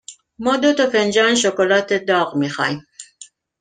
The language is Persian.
ما دو فنجان شکلات داغ می خواهیم.